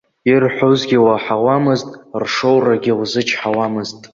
Ирҳәозгьы лаҳауамызт, ршоурагьы лзычҳауамызт.